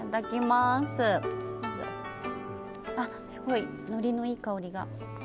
すごい、海苔のいい香りが。